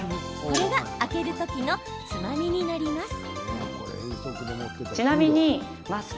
これが開ける時のつまみになります。